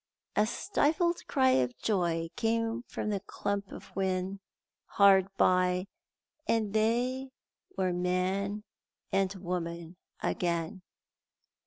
A stifled cry of joy came from a clump of whin hard by, and they were man and woman again.